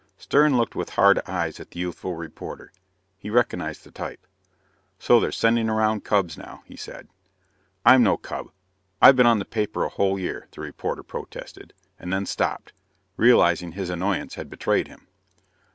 Stern looked with hard eyes at the youthful reporter. He recognized the type. "So they're sending around cubs now," he said. "I'm no cub I've been on the paper a whole year," the reporter protested, and then stopped, realizing his annoyance had betrayed him.